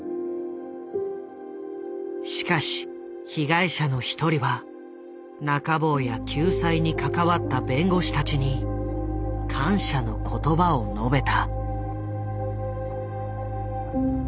しかし被害者の一人は中坊や救済に関わった弁護士たちに感謝の言葉を述べた。